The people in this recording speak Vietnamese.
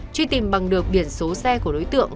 truy tìm bằng được biển số xe của đối tượng